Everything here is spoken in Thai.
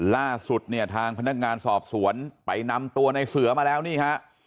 ล่าสุดเนี่ยทางพนักงานสอบสวนไปนำตัวในเสือมาแล้วนี่ฮะ